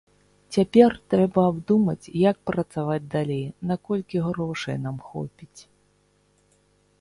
Цяпер трэба абдумаць як працаваць далей, наколькі грошай нам хопіць.